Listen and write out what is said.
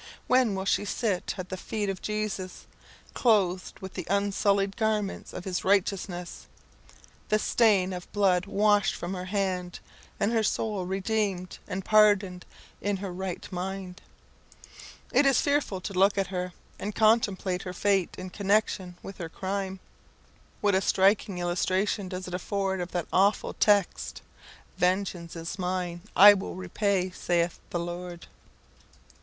When will she sit at the feet of Jesus, clothed with the unsullied garments of his righteousness, the stain of blood washed from her hand, and her soul redeemed, and pardoned, and in her right mind? It is fearful to look at her, and contemplate her fate in connexion with her crime. What a striking illustration does it afford of that awful text, "Vengeance is mine, I will repay, saith the Lord!"